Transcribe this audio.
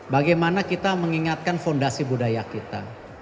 bagaimana kita mengingatkan fondasi budaya kita